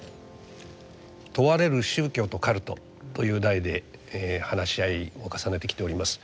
「問われる宗教とカルト」という題で話し合いを重ねてきております。